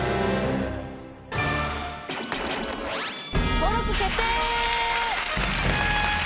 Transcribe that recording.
登録決定！